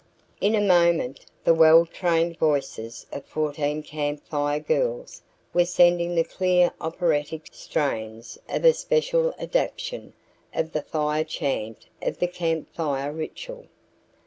In a moment the well trained voices of fourteen Camp Fire Girls were sending the clear operatic strains of a special adaptation of the fire chant of the Camp Fire ritual.